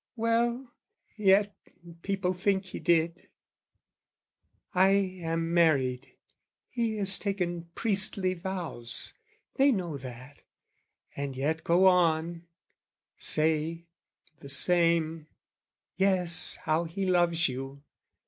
Well, yet people think he did. I am married, he has taken priestly vows, They know that, and yet go on, say, the same, "Yes, how he loves you!"